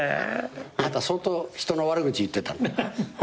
あんた相当人の悪口言ってたの？